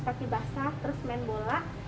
kaki basah terus main bola